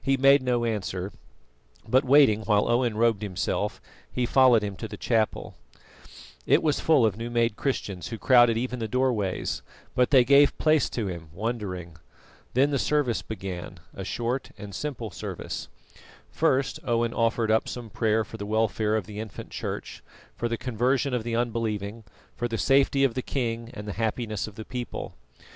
He made no answer, but waiting while Owen robed himself, he followed him to the chapel. It was full of new made Christians who crowded even the doorways, but they gave place to him, wondering. Then the service began a short and simple service. First Owen offered up some prayer for the welfare of the infant Church, for the conversion of the unbelieving, for the safety of the king and the happiness of the people.